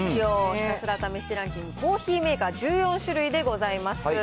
ひたすら試してランキング、コーヒーメーカー１４種類でございます。